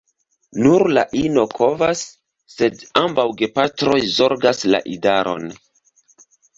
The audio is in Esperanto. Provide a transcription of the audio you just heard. Nur la ino kovas, sed ambaŭ gepatroj zorgas la idaron.